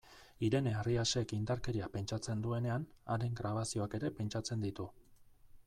Irene Arriasek, indarkeria pentsatzen duenean, haren grabazioak ere pentsatzen ditu.